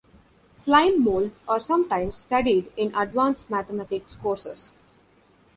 Slime molds are sometimes studied in advanced mathematics courses.